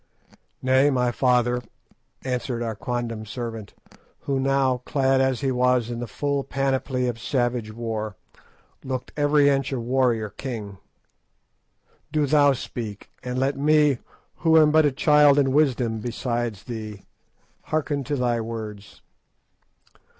"Nay, my father," answered our quondam servant, who now, clad as he was in the full panoply of savage war, looked every inch a warrior king, "do thou speak, and let me, who am but a child in wisdom beside thee, hearken to thy words."